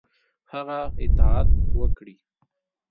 هغه اطاعت وکړي.